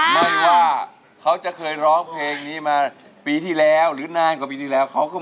ไม่ชัวร์ใช้ดีกว่าไม่ใช้ครับ